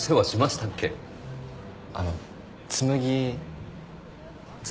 あの紬。